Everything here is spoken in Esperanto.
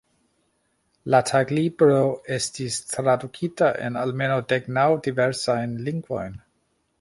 La taglibro estis tradukita en almenaŭ dek naŭ diversajn lingvojn.